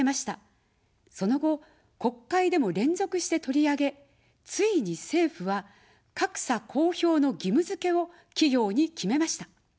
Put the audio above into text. その後、国会でも連続して取り上げ、ついに政府は格差公表の義務づけを企業に決めました。